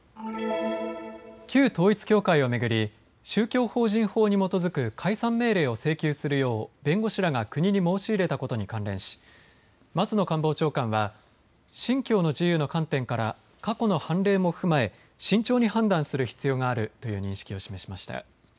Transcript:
旧統一教会を巡り宗教法人法に基づく解散命令を請求するよう弁護士らが国に申し入れたことに関連し松野官房長官は信教の自由の観点から過去の判例も踏まえ慎重に判断する必要があるという認識を示しました。